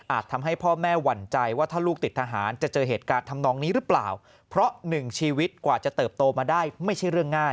ทำให้พ่อแม่หวั่นใจว่าถ้าลูกติดทหารจะเจอเหตุการณ์ทำนองนี้หรือเปล่าเพราะหนึ่งชีวิตกว่าจะเติบโตมาได้ไม่ใช่เรื่องง่าย